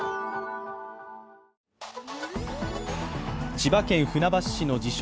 千葉県船橋市の自称